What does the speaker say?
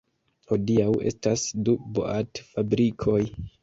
Hodiaŭ estas du boat-fabrikoj.